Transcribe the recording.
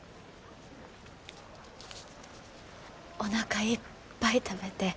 おなかいっぱい食べて。